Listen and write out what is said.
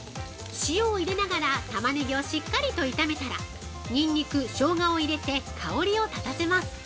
塩を入れながらタマネギをしっかりと炒めたらニンニク、ショウガを入れて香りを立たせます。